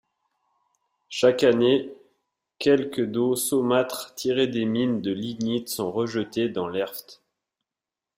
Chaque année, quelque d'eau saumâtre tirée des mines de lignite sont rejetés dans l'Erft.